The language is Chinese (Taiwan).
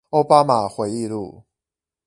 歐巴馬回憶錄